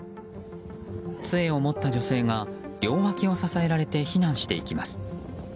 つえを持った女性が両脇を支えられて避難していきます。